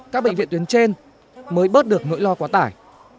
các bệnh viện tuyến trên mới bớt được nỗi lo quá tải